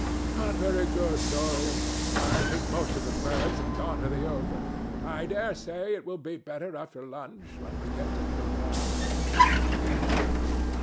"Not very good, Dorian. I think most of the birds have gone to the open. I dare say it will be better after lunch, when we get to new ground."